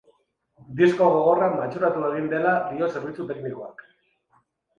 Disko gogorra matxuratu egin dela dio zerbitzu teknikoak.